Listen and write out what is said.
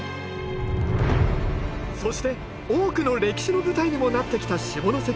そして多くの歴史の舞台にもなってきた下関市。